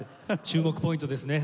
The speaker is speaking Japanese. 注目ポイントですね。